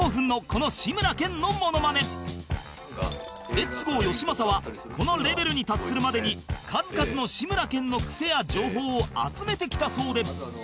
レッツゴーよしまさはこのレベルに達するまでに数々の志村けんのクセや情報を集めてきたそうで